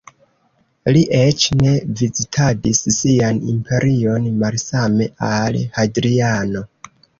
Li eĉ ne vizitadis sian imperion malsame al Hadriano.